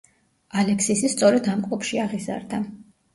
ალექსისი სწორედ ამ კლუბში აღიზარდა.